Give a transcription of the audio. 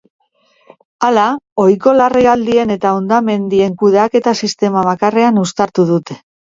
Hala, ohiko larrialdien eta hondamendien kudeaketa sistema bakarrean uztartu dute.